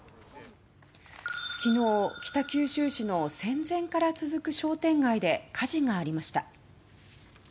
昨日、北九州市の戦前から続く商店街で火事がありました。